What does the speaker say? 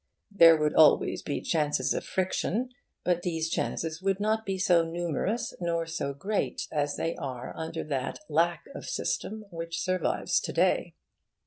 There would always be chances of friction. But these chances would not be so numerous nor so great as they are under that lack of system which survives to day.